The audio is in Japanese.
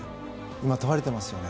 今、問われていますよね。